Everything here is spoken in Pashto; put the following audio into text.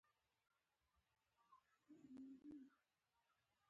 مخکې له ایښودلو باید لاندې کانکریټ واچول شي